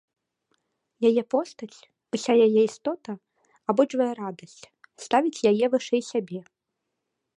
Яе постаць, уся яе істота абуджвае радасць, ставіць яе вышэй сябе.